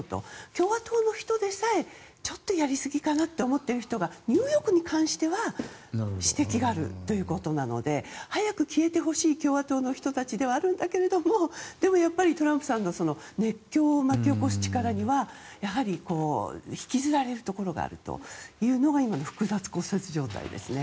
共和党の人でさえちょっとやりすぎかなと思っている人がニューヨークに関しては指摘があるということなので早く消えてほしい共和党の人たちではあるんだけれどもでもやっぱり、トランプさんの熱狂を巻き起こす力にはやはり引きずられるところがあるというのが今の複雑骨折状態ですね。